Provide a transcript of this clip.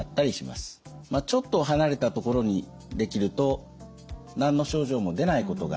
まあちょっと離れたところにできると何の症状も出ないことがあります。